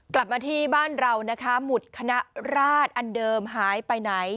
กลับมาที่บ้านเรานะคะหมุดคณะราชอันเดิมหายไปไหน